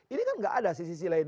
ini kan enggak ada sisi sisi lain